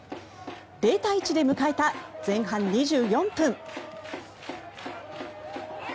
０対１で迎えた前半２４分。